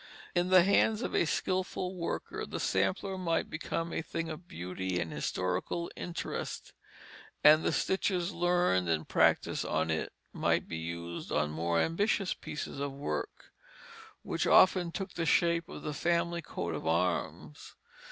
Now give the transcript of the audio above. In the hands of a skilful worker, the sampler might become a thing of beauty and historical interest; and the stitches learned and practised on it might be used on more ambitious pieces of work, which often took the shape of the family coat of arms.